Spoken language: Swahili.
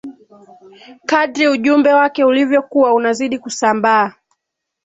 kadri ujumbe wake ulivyokuwa unazidi kusambaa